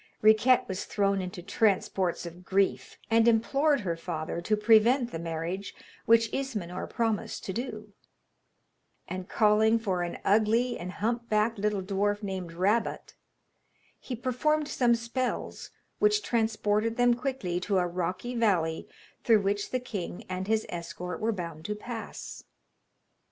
Riquette was thrown into transports of grief, and implored her father to prevent the marriage, which Ismenor promised to do; and calling for an ugly and humpbacked little dwarf named Rabot, he performed some spells which transported them quickly to a rocky valley through which the king and his escort were bound to pass.